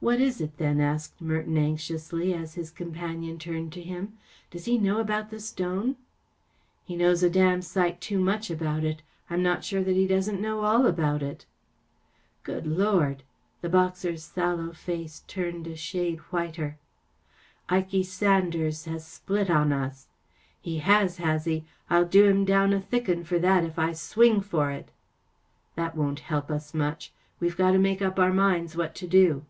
" What is it, then ?" asked Merton, anxiously, as his companion turned to him. " Does he know about the stone ?"" He knows a damned sight too much about it. I'm not sure that he doesn't know all about it." " Good Lord 1 99 The boxer's sallow face turned a shade whiter. " Ikey Sanders has split on us." " He has, has he? I'll do him down a thick 'un for that if I swing for it." " That won't help us much. We've got to make up our minds what to do."